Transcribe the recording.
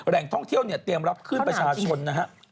แหล่งท่องเที่ยวเรียบรับพื้นประชาชนนะฮะ